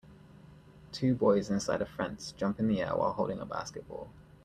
Two boys inside a fence jump in the air while holding a basketball.